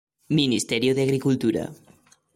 Ministerio de Agricultura.